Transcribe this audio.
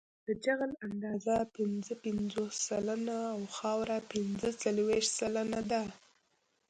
د جغل اندازه پنځه پنځوس سلنه او خاوره پنځه څلویښت سلنه ده